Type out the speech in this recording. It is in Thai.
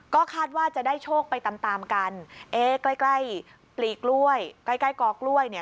ก็คาดว่าจะได้โชคไปตามกันเอ๊ใกล้ปลีกล้วยใกล้กรอกล้วยเนี่ย